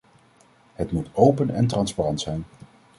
Het moet open en transparant zijn.